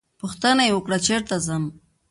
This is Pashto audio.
پوښتنه یې وکړه چېرته ځم.